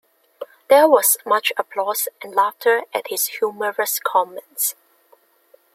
There was much applause and laughter at his humorous comments.